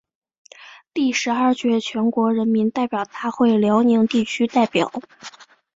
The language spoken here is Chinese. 第十二届全国人民代表大会辽宁地区代表。